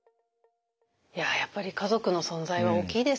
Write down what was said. いややっぱり家族の存在は大きいですね。